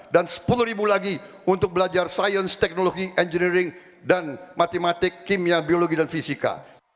dan sepuluh ribu lagi untuk belajar sains teknologi engineering dan matematik kimia biologi dan fisika